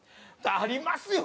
ありますよ。